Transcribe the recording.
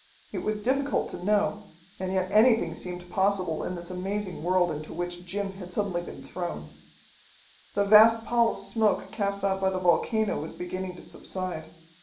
It was difficult to know, and yet anything seemed possible in this amazing world into which Jim had suddenly been thrown. The vast pall of smoke cast out by the volcano was beginning to subside.